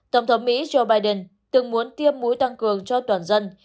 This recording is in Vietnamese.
tổng thống mỹ joe biden từng muốn tiêm mũi tăng cường cho toàn dân